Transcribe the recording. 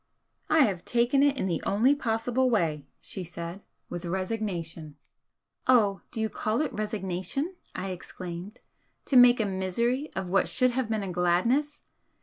"I have taken it in the only possible way," she said "With resignation." "Oh, do you call it resignation?" I exclaimed "To make a misery of what should have been a gladness?